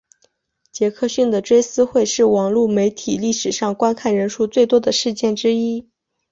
杰克逊的追思会是网路媒体历史上观看人数最多的事件之一。